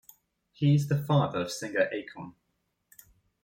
He is the father of singer Akon.